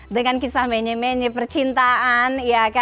dengan kisah menye percintaan